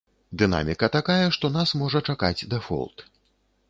Дынаміка такая, што нас можа чакаць дэфолт.